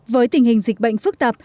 với tình hình dịch bệnh phức tạp